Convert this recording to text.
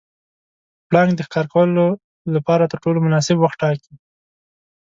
پړانګ د ښکار لپاره تر ټولو مناسب وخت ټاکي.